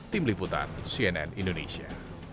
tim liputan cnn indonesia